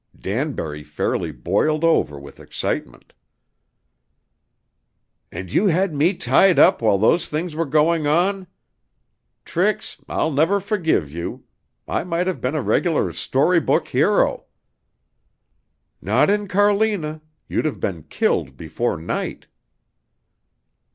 Danbury fairly boiled over with excitement. "And you had me tied up while those things were going on? Trix I'll never forgive you. I might have been a regular story book hero." "Not in Carlina; you'd have been killed before night."